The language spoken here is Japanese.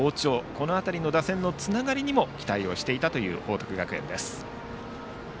この辺りの打線のつながりにも期待をしていたという報徳学園です。